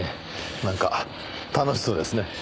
なんか楽しそうですね。